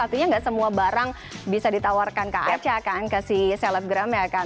artinya gak semua barang bisa ditawarkan ke aca kan ke si celebgram ya kak